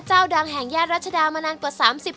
เจ้าดังแห่งย่านรัชดามานานกว่า๓๐ปี